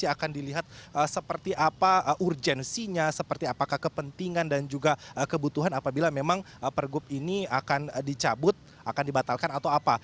akan dilihat seperti apa urgensinya seperti apakah kepentingan dan juga kebutuhan apabila memang pergub ini akan dicabut akan dibatalkan atau apa